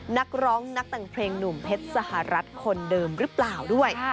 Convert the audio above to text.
นักร้องนักแต่งเพลงหนุ่มเพชรสหรัฐคนเดิมหรือเปล่าด้วย